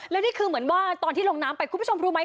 แล้วนี่คือเหมือนว่าตอนที่ลงน้ำไปคุณผู้ชมรู้ไหม